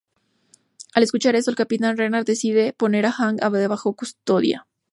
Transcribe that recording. Al escuchar esto, el capitán Renard decide poner a Hank bajo custodia.